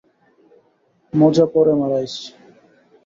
মজা পরে মারাইস!